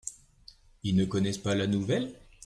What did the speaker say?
Ils ne connaissent pas la nouvelle ?